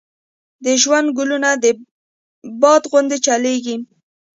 د ژوندون کلونه باد غوندي چلیږي